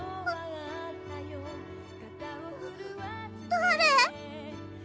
「誰！？」